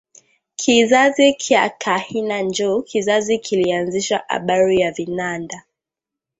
Kizazi kya kahina njo kizazi kilianzisha abari ya vinanda